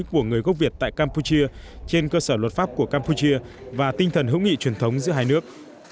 của người gốc việt tại campuchia trên cơ sở luật pháp của campuchia và tinh thần hữu nghị truyền thống giữa hai nước